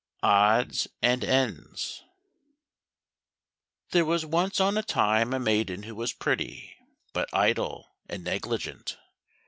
156 Odds And Ends There was once on a time a maiden who was pretty, but idle and negligent.